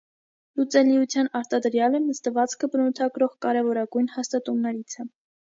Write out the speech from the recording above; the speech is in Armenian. Լուծելիության արտադրյալը նստվածքը բնութագրող կարևորագույն հաստատուններից է։